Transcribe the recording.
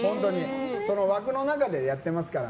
枠の中でやってますから。